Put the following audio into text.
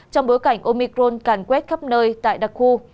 trong bối cảnh omicron càn quét khắp nơi tại đặc khu